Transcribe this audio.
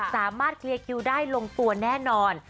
สามารถเคลียร์คิวได้ลงตัวแน่นอน